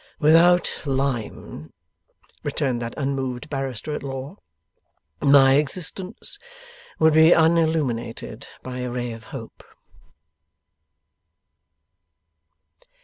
'Without lime,' returned that unmoved barrister at law, 'my existence would be unilluminated by a ray of hope.